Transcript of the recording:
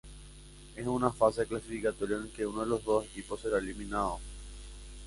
Es una fase clasificatoria en la que uno de los dos equipos será eliminado.